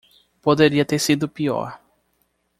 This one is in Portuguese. Poderia ter sido pior.